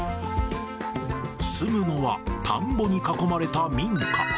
住むのは田んぼに囲まれた民家。